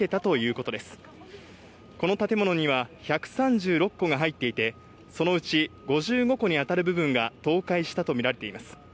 この建物には１３６戸が入っていて、そのうち５５戸にあたる部分が倒壊したとみられています。